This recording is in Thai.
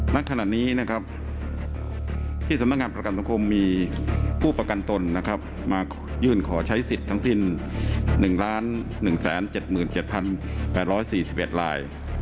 ณขณะนี้นะครับที่สำนักงานประกันสังคมมีผู้ประกันตนนะครับมายื่นขอใช้สิทธิ์ทั้งสิ้น๑๑๗๗๘๔๑ลาย